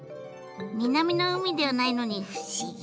南の海ではないのに不思議。